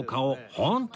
本当